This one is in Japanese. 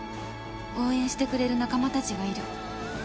「応援してくれる仲間たちがいる」